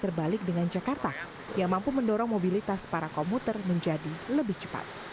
terbalik dengan jakarta yang mampu mendorong mobilitas para komuter menjadi lebih cepat